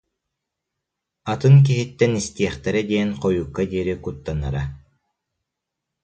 Атын киһиттэн истиэхтэрэ диэн хойукка диэри куттанара